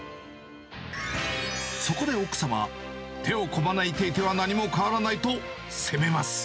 そこで奥様、手をこまねいていては何も変わらないと攻めます。